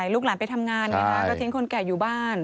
ลูกหลานไปทำงานไงฮะก็ทิ้งคนแก่อยู่บ้าน